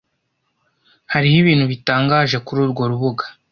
Hariho ibintu bitangaje kururwo rubuga